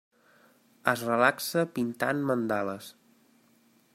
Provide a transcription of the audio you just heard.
Es relaxa pintant mandales.